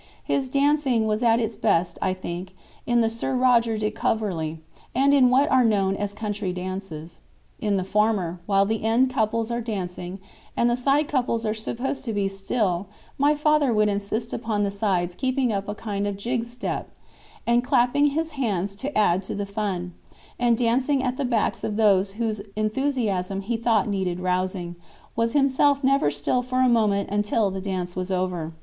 His dancing was at its best, I think, in the "Sir Roger de Coverly"—and in what are known as country dances. In the former, while the end couples are dancing, and the side couples are supposed to be still, my father would insist upon the sides keeping up a kind of jig step, and clapping his hands to add to the fun, and dancing at the backs of those whose enthusiasm he thought needed rousing, was himself never still for a moment until the dance was over.